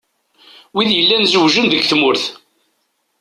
Wid yellan zewjen deg tmurt.